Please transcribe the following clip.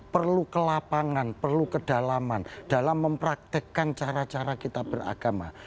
perlu kelapangan perlu kedalaman dalam mempraktekan cara cara kita beragama